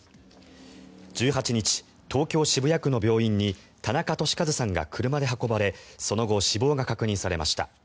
１８日、東京・渋谷区の病院に田中寿和さんが車で運ばれその後、死亡が確認されました。